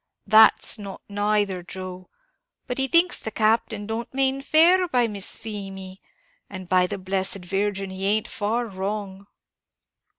"That's not it neither, Joe; but he thinks the Captain don't mane fair by Miss Feemy! and by the blessed Virgin, he ain't far wrong."